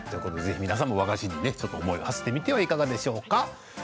皆さんも和菓子に思いをはせてみてはいかがでしょうか。